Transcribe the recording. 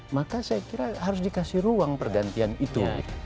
maka saya kira harus dikasih ruang pergantian itu